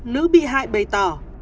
nữ bị hại bày tỏ